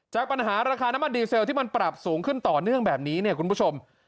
ปัญหาราคาน้ำมันดีเซลที่มันปรับสูงขึ้นต่อเนื่องแบบนี้เนี่ยคุณผู้ชม